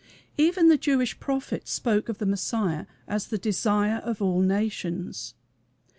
Even the Jewish prophet spoke of the Messiah as "The Desire of all Nations."